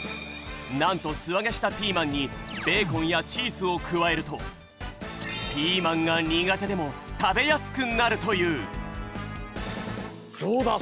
なんとすあげしたピーマンにベーコンやチーズを加えるとピーマンが苦手でも食べやすくなるという！